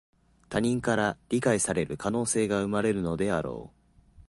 他人から理解される可能性が生まれるのだろう